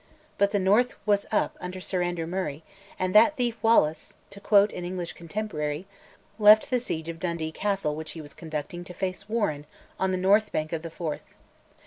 But the North was up under Sir Andrew Murray, and "that thief Wallace" (to quote an English contemporary) left the siege of Dundee Castle which he was conducting to face Warenne on the north bank of the Forth.